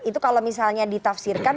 itu kalau misalnya ditafsirkan